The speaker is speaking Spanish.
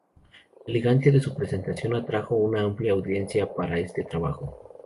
La elegancia de su presentación atrajo a una amplia audiencia para este trabajo.